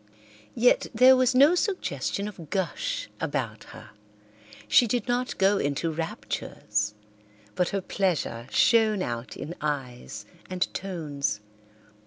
Yet there was no suggestion of gush about her; she did not go into raptures, but her pleasure shone out in eyes and tones.